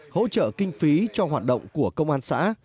hỗ trợ kinh phí cho hoạt động của công an xã